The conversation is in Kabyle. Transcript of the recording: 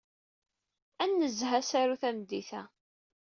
Ad nnezzeh asaru tameddit-a.